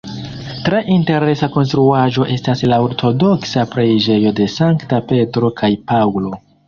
Tre interesa konstruaĵo estas la Ortodoksa preĝejo de Sankta Petro kaj Paŭlo.